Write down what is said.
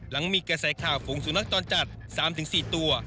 หลังมีกระแสข่าวฝูงสุนัขจรจัด๓๔ตัว